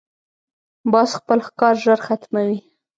باز خپل ښکار ژر ختموي